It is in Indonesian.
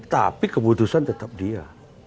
tapi keputusan tetap dia